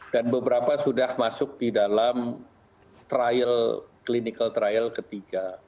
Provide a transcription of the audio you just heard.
dan beberapa sudah masuk di dalam trial clinical trial ketiga